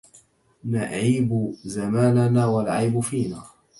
نعيب زماننا والعيب فينا